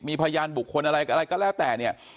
มีพยานบุคคลอะไรอะไรก็แล้วแต่เนี่ย